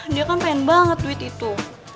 dia kan pengen banget duit itu